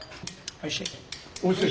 おいしい。